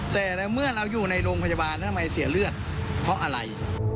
แต่ในเมื่อเราอยู่ในโรงพยาบาลแล้วทำไมเสียเลือดเพราะอะไร